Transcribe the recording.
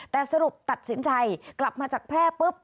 แต่สรุปตัดสินใจกลับมาจากแพร่ปุ๊บ